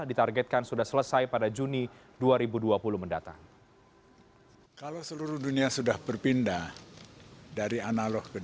ditargetkan sudah selesai pada juni dua ribu dua puluh mendatang